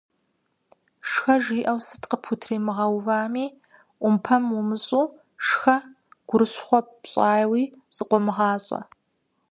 Шхэ жиӏэу сыт къыпхутримыгъэувами – ӏумпэм умыщӏу, шхэ, гурыщхъуэ пщӏауи зыкъыумыгъащӏэ.